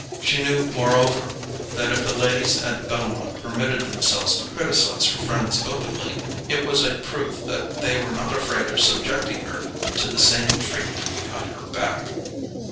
She knew, moreover, that if the ladies at Bellomont permitted themselves to criticize her friends openly, it was a proof that they were not afraid of subjecting her to the same treatment behind her back.